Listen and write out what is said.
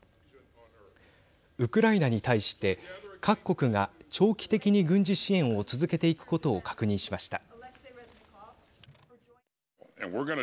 ウクライナに対して各国が長期的に軍事支援を続けていくことを確認しました。